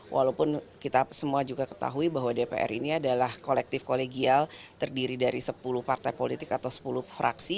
walaupun kita semua juga ketahui bahwa dpr ini adalah kolektif kolegial terdiri dari sepuluh partai politik atau sepuluh fraksi